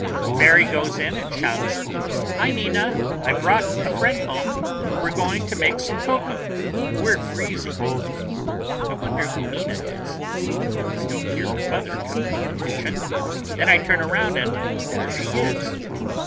Mary goes in and shouts, "Hi, Nina! I brought a friend home. We're going to make some cocoa. We're freezing." I wonder who Nina is. I don't hear her mother come into the kitchen. Then I turn around and there she is.